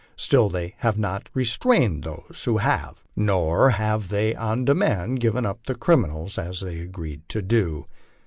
still they have not restrained those who have, nor have they on demand given up the criminals as they agreed to do.